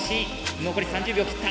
残り３０秒を切った。